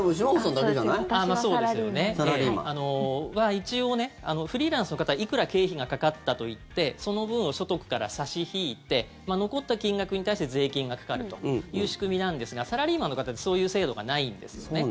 一応、フリーランスの方はいくら経費がかかったと言ってその分を所得から差し引いて残った金額に対して税金がかかるという仕組みなんですがサラリーマンの方ってそういう制度がないんですよね。